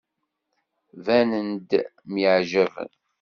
Banen-d myeɛjaben.